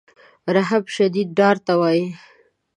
رهب شدید ډار ته وایي.